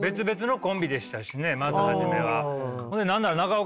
まず初めは。